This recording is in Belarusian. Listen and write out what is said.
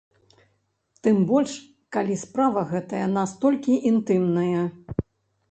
Тым больш, калі справа гэтая настолькі інтымная.